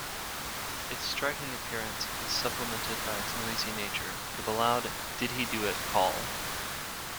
Its striking appearance is supplemented by its noisy nature, with a loud "did-he-do-it" call.